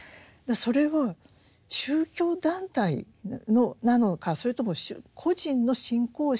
それを宗教団体なのかそれとも個人の信仰心の問題